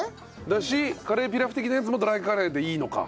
だしカレーピラフ的なやつもドライカレーでいいのか。